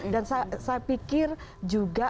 dan saya pikir juga